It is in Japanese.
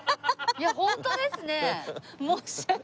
いやホントですね。